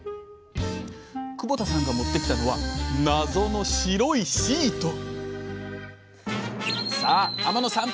窪田さんが持ってきたのはさあ天野さん